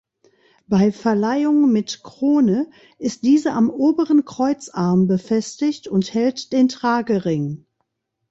Bei Verleihung mit Krone ist diese am oberen Kreuzarm befestigt und hält den Tragering.